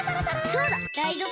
そうだ！